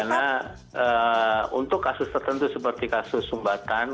karena untuk kasus tertentu seperti kasus sumbatan